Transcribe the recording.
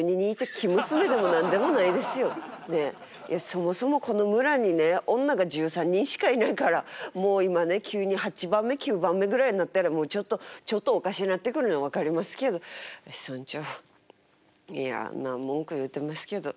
そもそもこの村にね女が１３人しかいないからもう今ね急に８番目９番目ぐらいになったらちょっとちょっとおかしなってくるの分かりますけど村長いや文句言うてますけど。